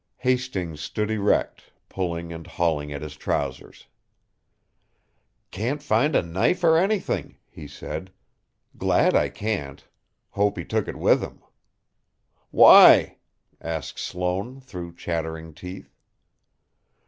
Hastings stood erect, pulling and hauling at his trousers. "Can't find a knife or anything," he said. "Glad I can't. Hope he took it with him." "Why?" asked Sloane, through chattering teeth.